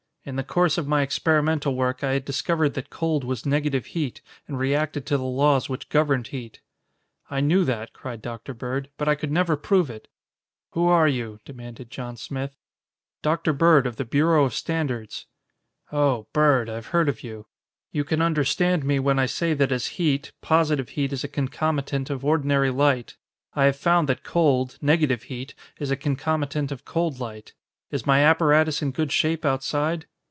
In the course of my experimental work, I had discovered that cold was negative heat and reacted to the laws which governed heat." "I knew that," cried Dr. Bird; "but I never could prove it." "Who are you?" demanded John Smith. "Dr. Bird, of the Bureau of Standards." "Oh, Bird. I've heard of you. You can understand me when I say that as heat, positive heat is a concomitant of ordinary light. I have found that cold, negative heat, is a concomitant of cold light. Is my apparatus in good shape outside?"